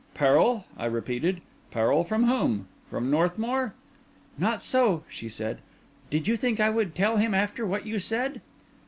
"Peril?" I repeated. "Peril from whom? From Northmour?" "Not so," she said. "Did you think I would tell him after what you said?"